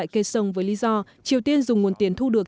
kê sơn với lý do triều tiên dùng nguồn tiền thu được